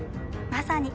まさに。